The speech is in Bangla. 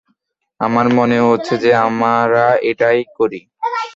আমার মনে হচ্ছে যে, আমরা এটাই করি।